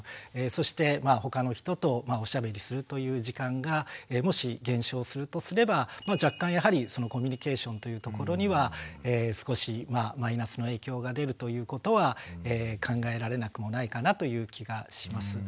そしてまあ他の人とおしゃべりするという時間がもし減少するとすれば若干やはりコミュニケーションというところには少しマイナスの影響が出るということは考えられなくもないかなという気がします。